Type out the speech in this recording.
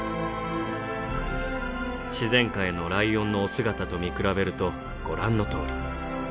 自然界のライオンのお姿と見比べるとご覧のとおり。